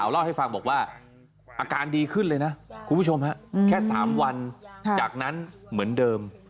เล่าให้ฟังบอกว่าอาการดีขึ้นเลยนะคุณผู้ชมแค่๓วันจากนั้นเหมือนเดิม